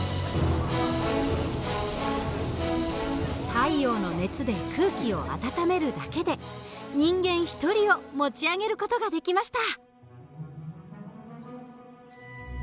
太陽の熱で空気を温めるだけで人間一人を持ち上げる事ができました。